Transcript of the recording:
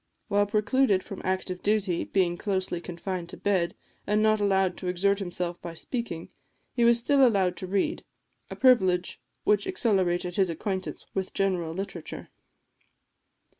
While precluded from active duty, being closely confined to bed, and not allowed to exert himself by speaking, he was still allowed to read; a privilege which accelerated his acquaintance with general literature.